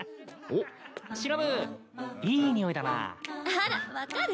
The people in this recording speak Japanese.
あら分かる？